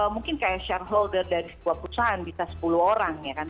mungkin kayak shareholder dari sebuah perusahaan bisa sepuluh orang ya kan